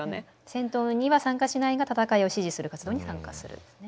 「戦闘には参加しないが戦いを支持する活動に参加する」ですね。